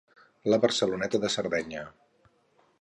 la Barceloneta de Sardenya